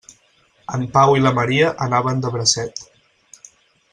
En Pau i la Maria anaven de bracet.